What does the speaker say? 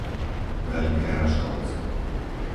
Veľké Raškovce